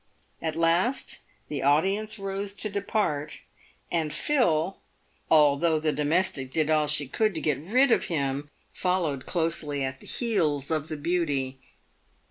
At last the audience rose to depart, and Phil, although the do mestic did all she could to get rid of him, followed closely at the heels of the beauty.